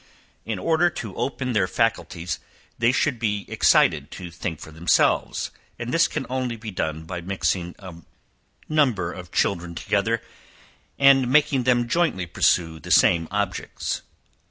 In order to open their faculties they should be excited to think for themselves; and this can only be done by mixing a number of children together, and making them jointly pursue the same objects.